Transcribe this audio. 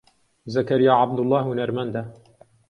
زەکەریا عەبدوڵڵا هونەرمەندە.